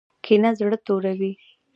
کینه زړه توروي